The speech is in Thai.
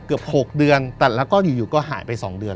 เกือบ๖เดือนแต่แล้วก็อยู่ก็หายไป๒เดือน